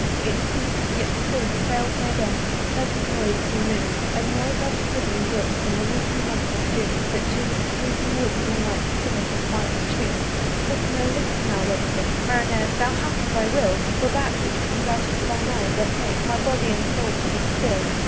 It ceas'd: yet still the sails made on A pleasant noise till noon, A noise like of a hidden brook In the leafy month of June, That to the sleeping woods all night Singeth a quiet tune. Listen, O listen, thou Wedding guest! "Marinere! thou hast thy will: "For that, which comes out of thine eye, doth make "My body and soul to be still."